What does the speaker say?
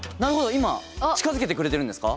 今近づけてくれてるんですか？